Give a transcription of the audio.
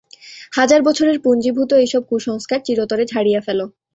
হাজার বছরের পুঞ্জীভূত এইসব কুসংস্কার চিরতরে ঝাড়িয়া ফেল।